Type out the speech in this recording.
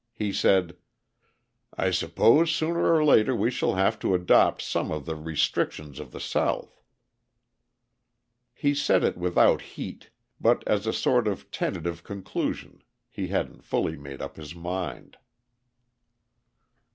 He said: "I suppose sooner or later we shall have to adopt some of the restrictions of the South." He said it without heat, but as a sort of tentative conclusion, he hadn't fully made up his mind.